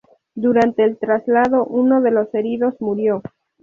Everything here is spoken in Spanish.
Durante el traslado, uno de los heridos murió.